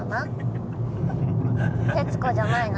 徹子じゃないな。